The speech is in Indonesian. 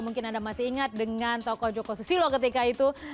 mungkin anda masih ingat dengan tokoh joko susilo ketika itu